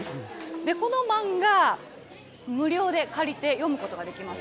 この漫画、無料で借りて読むことができます。